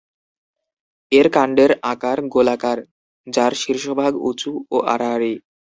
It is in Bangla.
এর কাণ্ডের আকার গোলাকার, যার শীর্ষভাগ উঁচু ও আড়াআড়ি।